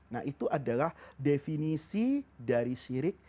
nah itu adalah definisi dari syirik